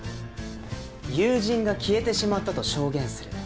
友人が消えてしまったと証言する。